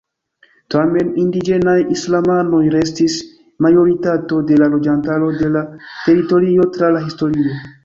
Tamen, indiĝenaj islamanoj restis majoritato de la loĝantaro de la teritorio tra la historio.